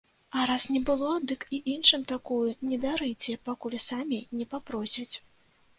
А раз не было, дык і іншым такую не дарыце, пакуль самі не папросяць.